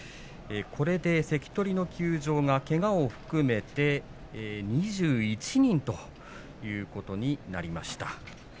これで関取の休場がけがを含めて２１人ということになりました。